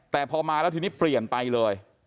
แต่พอมาแล้วทีนี้เปลี่ยนไปเลย